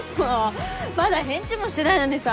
まだ返事もしてないのにさ。